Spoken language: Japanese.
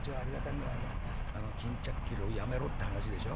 巾着切りをやめろって話でしょ？